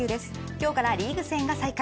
今日からリーグ戦が再開。